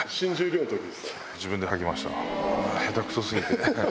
下手くそすぎて。